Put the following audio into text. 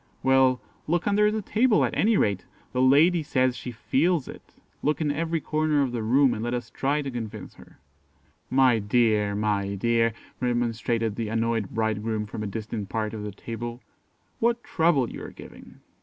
"Well, look under the table, at any rate; the lady says she feels it; look in every corner of the room, and let us try to convince her." "My dear, my dear!" remonstrated the annoyed bridegroom from a distant part of the table; "what trouble you are giving."